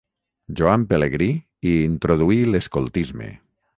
Joan Pelegrí hi introduí l'escoltisme.